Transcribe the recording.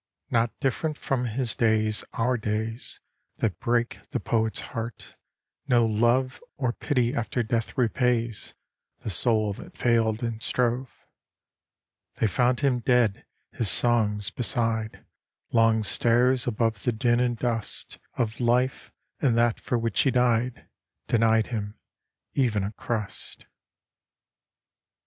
Not different from his days our days, That break the poet's heart. No love Or pity after death repays The soul that failed and strove. They found him dead his songs beside, Long stairs above the din and dust Of life: and that for which he died Denied him even a crust.